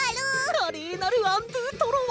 華麗なるアンドゥトロワ！